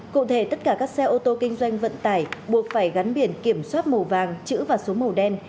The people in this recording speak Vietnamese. cụ thể tất cả các xe ô tô kinh doanh vận tải buộc phải gắn biển kiểm soát màu vàng chữ và số màu đen